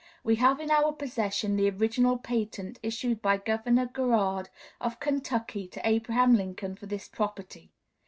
We have in our possession the original patent issued by Governor Garrard, of Kentucky, to Abraham Lincoln for this property.